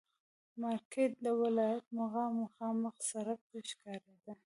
مارکېټ د ولایت مقام مخامخ سړک ته ښکارېده.